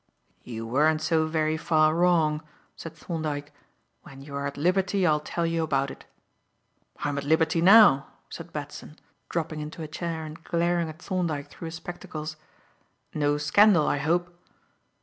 "You weren't so very far wrong," said Thorndyke. "When you are at liberty I'll tell you about it." "I'm at liberty now," said Batson, dropping into a chair and glaring at Thorndyke through his spectacles. "No scandal, I hope."